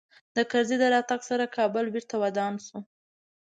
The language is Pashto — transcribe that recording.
د کرزي د راتګ سره کابل بېرته ودان سو